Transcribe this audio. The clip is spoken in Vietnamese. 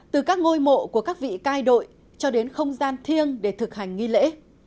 từ các ngôi mộ của các vị cai đội cho đến không gian thiêng để thực hành nghi lễ